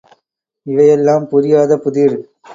இவையெல்லாம் புரியாத புதிர்!